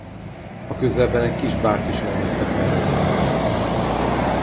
A közelben egy kis bárt is neveztek el róla.